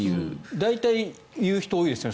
大体、言う人多いですよね。